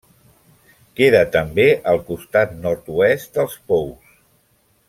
Queda també al costat nord-oest dels Pous.